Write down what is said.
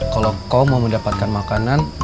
kalau kau mau mendapatkan makanan